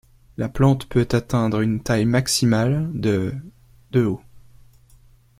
La plante peut atteindre une taille maximale de de haut.